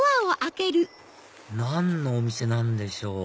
何のお店なんでしょう？